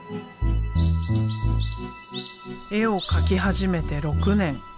絵を描き始めて６年。